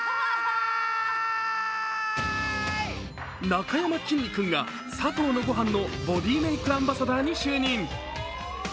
なかやまきんに君がサトウのごはんのボディメイクアンバサダーに就任。